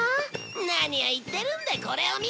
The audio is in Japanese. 何を言ってるんだこれを見ろ！